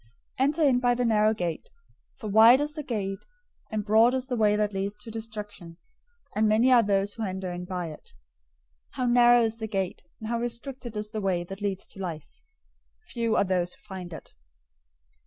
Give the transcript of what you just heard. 007:013 "Enter in by the narrow gate; for wide is the gate and broad is the way that leads to destruction, and many are those who enter in by it. 007:014 How{TR reads "Because" instead of "How"} narrow is the gate, and restricted is the way that leads to life! Few are those who find it.